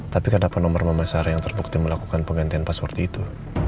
tapi karena penombor mama sarah yang terbukti melakukan penggantian password itu